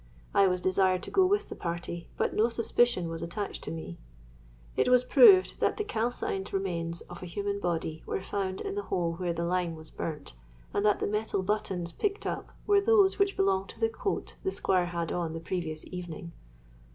I was desired to go with the party; but no suspicion was attached to me. It was proved that the calcined remains of a human body were found in the hole where the lime was burnt; and that the metal buttons picked up were those which belonged to the coat the Squire had on the previous evening.